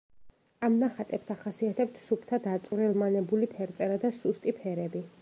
ამ ნახატებს ახასიათებთ სუფთა, დაწვრილმანებული ფერწერა და სუსტი ფერები.